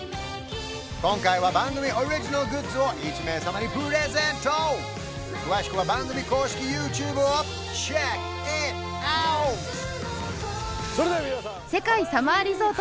今回は番組オリジナルグッズを１名様にプレゼント詳しくは番組公式ＹｏｕＴｕｂｅをｃｈｅｃｋｉｔｏｕｔ！